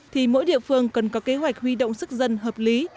thì mỗi địa phương cần có kế hoạch huy động sức dân hợp lý